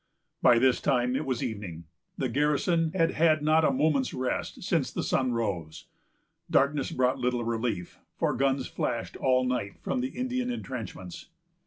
By this time it was evening. The garrison had had not a moment's rest since the sun rose. Darkness brought little relief, for guns flashed all night from the Indian intrenchments.